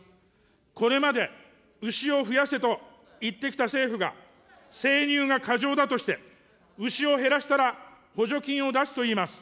これまで牛を増やせと言ってきた政府が、生乳が過剰だとして、牛を減らしたら補助金を出すといいます。